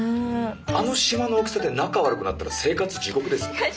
あの島の大きさで仲悪くなったら生活地獄ですよ。